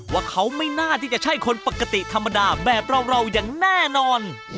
ว่าเขาไม่น่าที่จะใช่คนปกติธรรมดาแบบเราอย่างแน่นอน